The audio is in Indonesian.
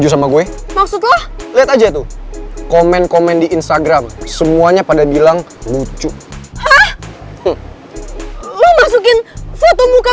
sampai jumpa di video selanjutnya